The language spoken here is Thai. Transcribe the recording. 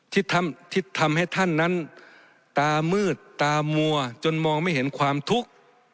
ที่ทำให้ท่านนั้นตามืดตามัวจนมองไม่เห็นความทุกข์